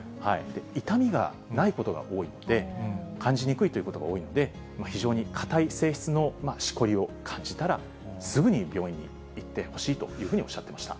痛みがないことが多いので、感じにくいということが多いので、非常に硬い性質のしこりを感じたら、すぐに病院に行ってほしいというふうにおっしゃっていました。